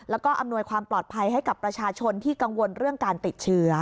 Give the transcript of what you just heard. แล้วก็อำนวยความปลอดภัยให้กับประชาชนที่กังวลเรื่องการติดเชื้อ